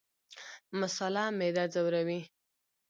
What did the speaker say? مساله معده ځوروي